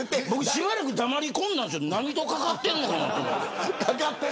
しばらく黙り込んだんですよ何とかかってるのかなって。